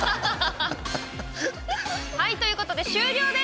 はいということで終了です。